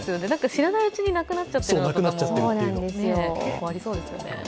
知らないうちになくなっちゃってるのとかも結構ありそうですよね。